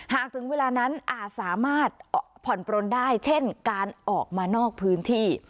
ถึงเวลานั้นอาจสามารถผ่อนปลนได้เช่นการออกมานอกพื้นที่